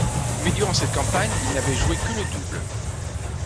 Mais durant cette campagne il n'avait joué que le double.